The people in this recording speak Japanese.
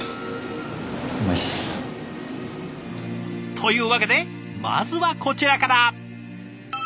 というわけでまずはこちらから。